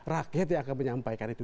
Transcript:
rakyat yang akan menyampaikan itu